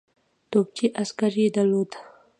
توپچي عسکر یې درلودل.